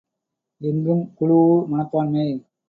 எங்கும் குழுஉ மனப்பான்மை.